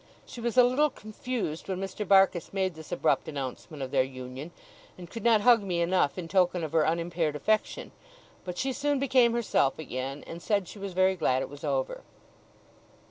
She was a little confused when Mr. Barkis made this abrupt announcement of their union, and could not hug me enough in token of her unimpaired affection; but she soon became herself again, and said she was very glad it was over.